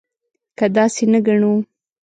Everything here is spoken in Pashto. که داسې نه ګڼو.